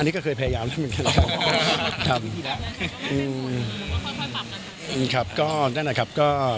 อันนี้ก็เคยพยายามแล้วเหมือนกันนะครับ